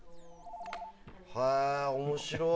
へえ、面白い。